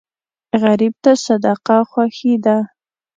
غریب ته صدقه خوښي ده